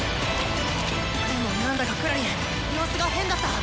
でも何だかクラリン様子が変だった！